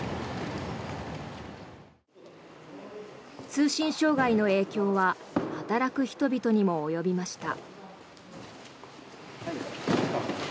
通信障害の影響は働く人々にも及びました。